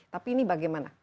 tapi ini bagaimana